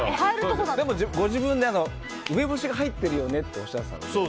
でも、ご自身で梅干しが入ってるよねっておっしゃっていたので。